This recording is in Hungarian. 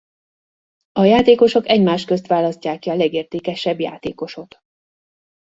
A játékosok egymás közt választják ki a legértékesebb játékosot.